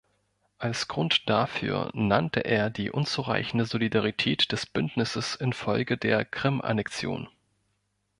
Als Grund dafür nannte er die unzureichende Solidarität des Bündnisses infolge der Krim-Annexion.